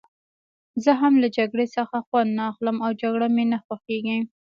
زه هم له جګړې څخه خوند نه اخلم او جګړه مې نه خوښېږي.